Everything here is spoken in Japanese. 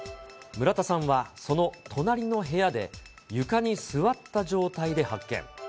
村田さんはその隣の部屋で、床に座った状態で発見。